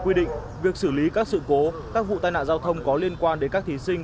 quy định việc xử lý các sự cố các vụ tai nạn giao thông có liên quan đến các thí sinh